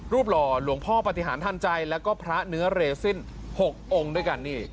หล่อหลวงพ่อปฏิหารทันใจแล้วก็พระเนื้อเรซิน๖องค์ด้วยกันนี่